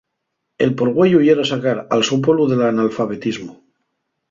El porgüeyu yera sacar al so pueblu del analfabetismu.